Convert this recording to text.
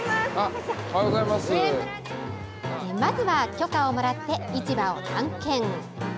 まずは許可をもらって市場を探検。